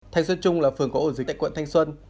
thanh xuân trung là phường có ổ dịch tại quận thanh xuân